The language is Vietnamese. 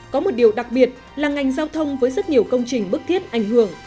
có một điều đặc biệt là ngành giao thông với rất nhiều công trình bức thiết ảnh hưởng